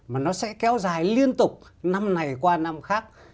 mà nó sẽ kéo dài liên tục năm này qua năm khác